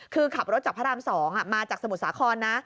คือขับรถจากพระราม๒มาจากสมุทรสาครนะ